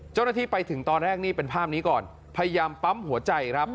เจ้าหน้าที่ไปถึงตอนแรกนี่เป็นภาพนี้ก่อนพยายามปั๊มหัวใจครับ